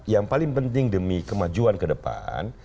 yang paling penting demi kemajuan ke depan